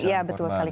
iya betul sekali